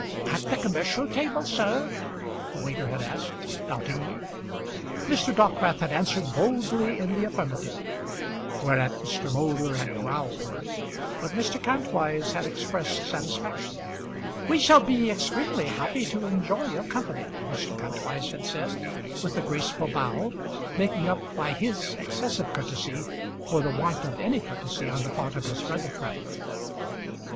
"At the commercial table sir?" the waiter had asked, doubtingly. Mr. Dockwrath had answered boldly in the affirmative, whereat Mr. Moulder had growled; but Mr. Kantwise had expressed satisfaction. "We shall be extremely happy to enjoy your company," Mr. Kantwise had said, with a graceful bow, making up by his excessive courtesy for the want of any courtesy on the part of his brother traveller.